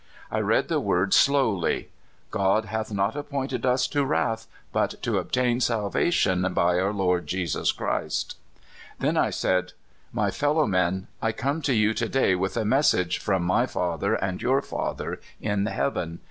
I read the words slowly: " God hath not appointed us to wrath, but to obtain salvation by our Lord Jesus Christ." Then I said: *' My fellow men, I come to you to day with a message from my Father and your Father in heaven.